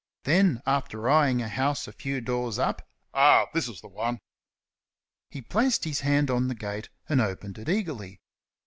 Then, after eyeing a house a few doors up, "Ah! this is the one." He placed his hand on the gate, and opened it eagerly.